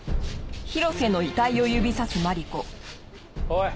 おい。